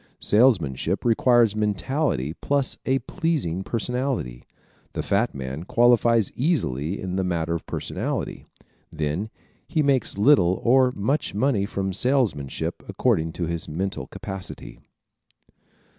Salesmanship requires mentality plus a pleasing personality. The fat man qualifies easily in the matter of personality. Then he makes little or much money from salesmanship, according to his mental capacity.